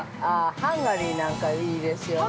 ◆ハンガリーなんかいいですよ。